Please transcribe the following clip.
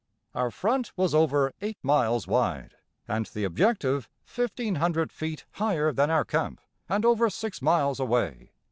Our front was over eight miles wide and the objective 1500 feet higher than our camp, and over six miles away.